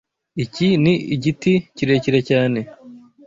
Iki ni igiti kirekire cyane.